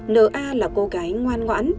nna là cô gái ngoan ngoãn